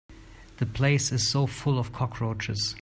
The place is so full of cockroaches.